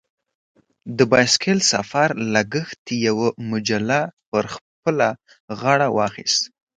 د بایسکل سفر لګښت یوه مجله پر خپله غاړه واخیست.